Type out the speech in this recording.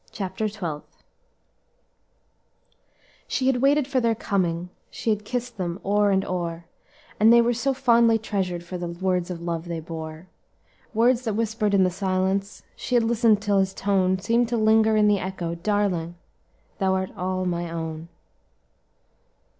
CHAPTER TWELFTH "She had waited for their coming, She had kiss'd them o'er and o'er And they were so fondly treasured For the words of love they bore, Words that whispered in the silence, She had listened till his tone Seemed to linger in the echo 'Darling, thou art all mine own!'"